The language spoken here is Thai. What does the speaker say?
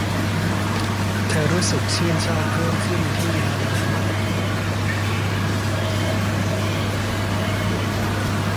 เธอรู้สึกชื่นชอบเพิ่มขึ้นที่ละน้อย